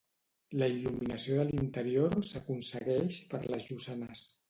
La il·luminació de l'interior s'aconsegueix per les llucanes.